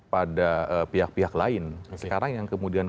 pada pihak pihak lain sekarang yang kemudian